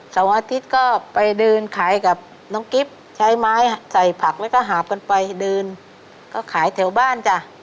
เสาร์อาทิตย์ก็ไปเดินขายกับน้องกิ๊บใช้ไม้ใส่ผักแล้วก็หาบกันไปเดินก็ขายแถวบ้านจ้ะ